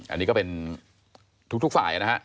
อันนี้ก็เป็นทุกฝ่ายนะฮะ